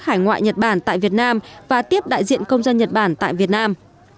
hải ngoại nhật bản tại việt nam và tiếp đại diện công dân nhật bản tại việt nam